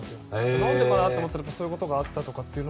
何でかな？と思ったらそういうことがあったのかと。